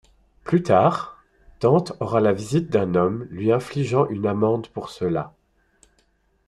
Plus tard, Dante aura la visite d'un homme lui infligeant une amende pour cela.